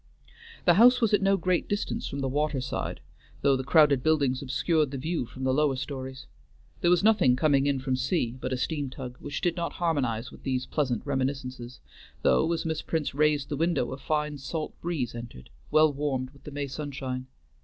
The house was at no great distance from the water side, though the crowded buildings obscured the view from the lower stories. There was nothing coming in from sea but a steam tug, which did not harmonize with these pleasant reminiscences, though as Miss Prince raised the window a fine salt breeze entered, well warmed with the May sunshine.